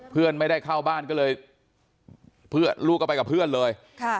เพื่อนไม่ได้เข้าบ้านก็เลยลูกก็ไปกับเพื่อนเลย